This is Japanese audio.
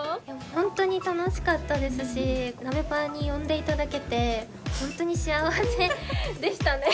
本当に楽しかったですしなべパに呼んでいただけて本当に幸せでしたね。